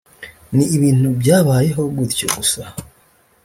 ni ibintu byabayeho gutyo gusa